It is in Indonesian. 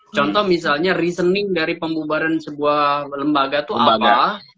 contoh misalnya reasoning dari pembubaran sebuah lembaga itu apa